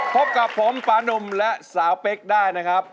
พบกับผมปานุ่มและสาวเป๊กได้นะครับ